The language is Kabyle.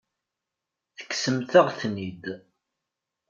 Tekksemt-aɣ-ten-id.